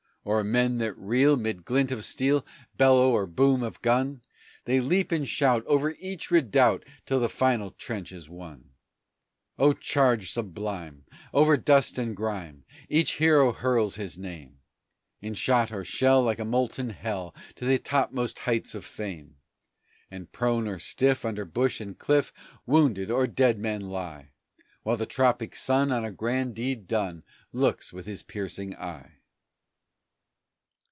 O'er men that reel, 'mid glint of steel, Bellow or boom of gun, They leap and shout over each redoubt Till the final trench is won! O charge sublime! Over dust and grime Each hero hurls his name In shot or shell, like a molten hell, To the topmost heights of fame! And prone or stiff, under bush and cliff, Wounded or dead men lie, While the tropic sun on a grand deed done Looks with his piercing eye!